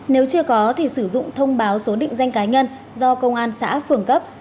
nếu chưa có thì sử dụng thông báo số định danh cá nhân do công an xã phường cấp